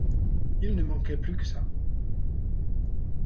Il ne manquait plus que ça.